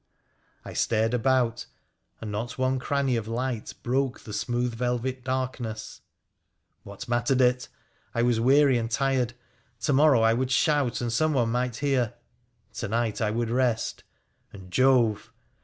I stared about, and not one cranny of light broke the smooth velvet darkness. What mattered it ? I was weary and tired — to morrow I would shout and someone might hear, to night I would rest ; and, Jove